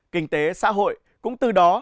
kinh tế xã hội cũng từ đó